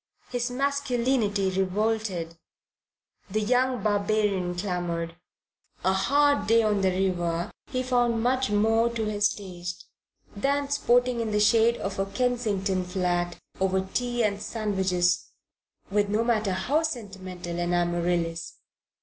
His masculinity revolted. The young barbarian clamoured. A hard day on the river he found much more to his taste than sporting in the shade of a Kensington flat over tea and sandwiches with no matter how sentimental an Amaryllis.